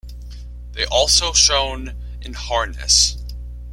They are also shown in harness.